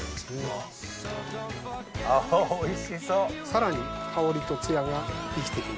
さらに香りとツヤが生きて来ます。